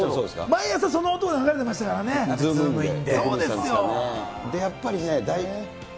毎朝その音が流れてましたかズームイン！！